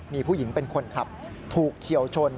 มีผู้หญิงเป็นคนขับถูกเฉียวชน